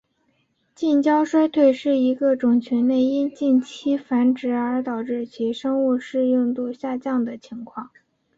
近交衰退是指一个种群内因近亲繁殖而导致其生物适应度下降的情况。